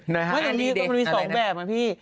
ไม่อย่างนี้ก็มันมี๒แบบนะพี่